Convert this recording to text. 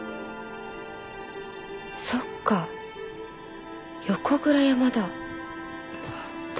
そっか横倉山だ。